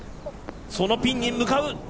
そのピンに向かう！